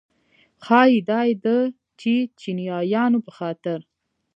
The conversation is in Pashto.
ښایي دا یې د چیچنیایانو په خاطر.